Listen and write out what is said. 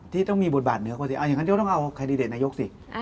ที่ต้องมีบทบาทเหนือกว่าสิเอาอย่างนั้นก็ต้องเอาแคนดิเดตนายกสิ